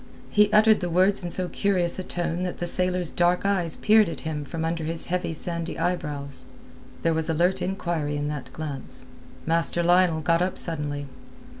He uttered the words in so curious a tone that the sailor's dark eyes peered at him from under his heavy sandy eyebrows. There was alert inquiry in that glance. Master Lionel got up suddenly.